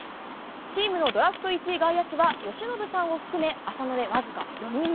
チームのドラフト１位外野手は由伸さんを含め、浅野で僅か４人目。